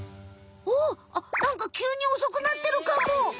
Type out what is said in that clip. おなんかきゅうにおそくなってるかも！？